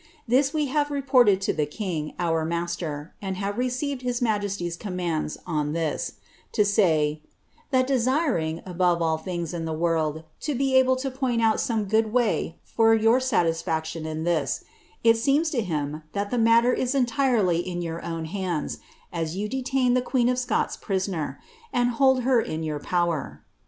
This we have reported to the king, our dMter, and have received his majesty's commands on this: to say, *that desir* Ig, above all things in the world, to be able to point out some good way for «w satisfactioa in this, it seems to him that the matter is entirely in your own ■ads, ■• you detain the queen of Scots prisoner, and hold her in your power.'